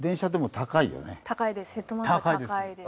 高いです。